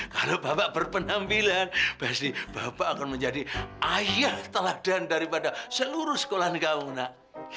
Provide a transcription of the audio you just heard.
kalau bapak berpenampilan pasti bapak akan menjadi ayah teladen daripada seluruh sekolah kamu nak